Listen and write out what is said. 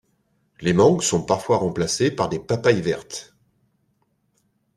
Les mangues sont parfois remplacées par des papayes vertes.